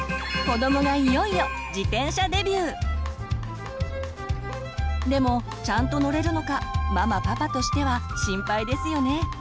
子どもがいよいよでもちゃんと乗れるのかママパパとしては心配ですよね。